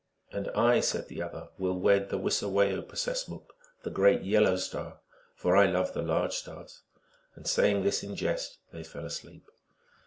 " And I," said the other, " will wed the Wisawaioo P ses m (P.), the Great Yellow Star, for I love the large stars." And, saying this in jest, they fell asleep.